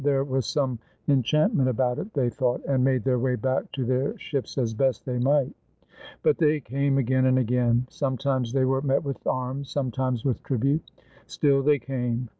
There was some enchantment about it, they thought, and made their way back to their ships as best they might. But they came again and again. Sometimes they were met with arms, sometimes with tribute. Still they came.